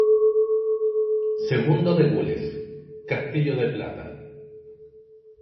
Segundo de gules, castillo de plata.